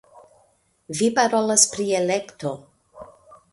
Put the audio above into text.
Vi parolas pri elekto!